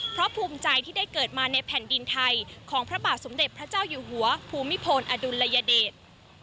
เพราะภูมิใจที่ได้เกิดมาในแผ่นดินไทยของพระบาทสมเด็จพระเจ้าอยู่หัวภูมิพลอดุลยเดช